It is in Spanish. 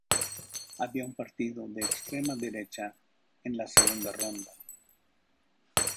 Había un partido de extrema derecha en la segunda ronda.